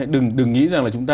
đừng nghĩ rằng là chúng ta